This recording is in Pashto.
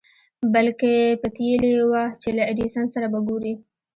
بلکې پتېيلې يې وه چې له ايډېسن سره به ګوري.